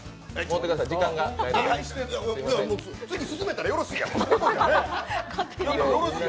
次進めたらよろしいやん。